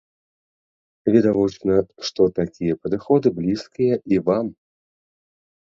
Відавочна, што такія падыходы блізкія і вам.